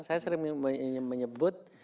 saya sering menyebut